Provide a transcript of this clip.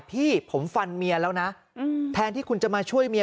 พี่ผมฟันเมียแล้วนะแทนที่คุณจะมาช่วยเมีย